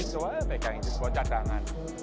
coba pakai yang ini buat cadangan